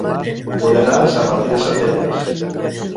Vull anar a Sant Martí de Centelles